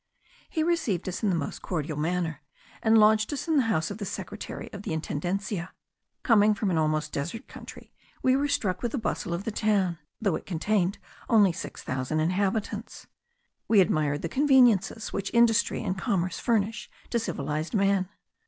He received us in the most cordial manner, and lodged us in the house of the secretary of the Intendencia. Coming from an almost desert country, we were struck with the bustle of the town, though it contained only six thousand inhabitants. We admired the conveniences which industry and commerce furnish to civilized man.